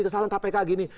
kesalahan kpk gini